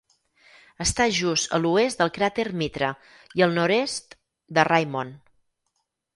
Està just a l'oest del cràter Mitra, i al nord-est de Raimond.